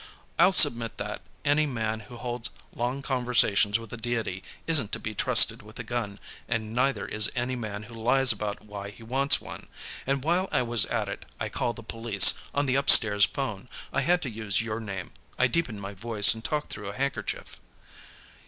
I'll submit that any man who holds long conversations with the Deity isn't to be trusted with a gun, and neither is any man who lies about why he wants one. And while I was at it, I called the police, on the upstairs phone. I had to use your name; I deepened my voice and talked through a handkerchief."